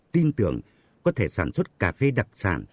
tin tưởng có thể sản xuất cà phê đặc sản